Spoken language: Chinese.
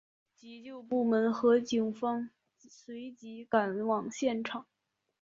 急救部门和警方随即赶往现场。